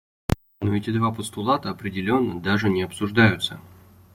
Но эти два постулата определенно даже не обсуждаются.